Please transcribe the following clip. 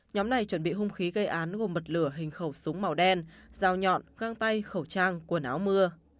nhóm này chuẩn bị hung khí gây án gồm một lửa hình khẩu súng màu đen dao nhọn găng tay khẩu trang quần áo mưa